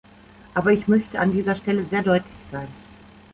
Aber ich möchte an dieser Stelle sehr deutlich sein.